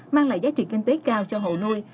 mang lại giá trị kinh tế cao cho hộ nuôi